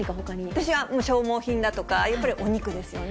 私は消耗品だとか、やっぱりお肉ですよね。